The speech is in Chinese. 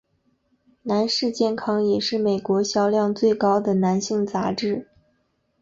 男士健康也是美国销量最高的男性杂志。